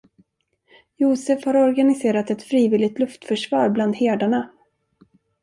Josef har organiserat ett frivilligt luftförsvar bland herdarna.